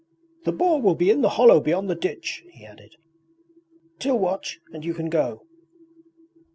'The boar will be in the hollow beyond the ditch,' he added. Til watch, and you can go.'